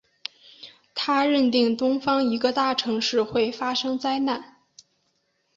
他认定东方一个大城市会发生灾难。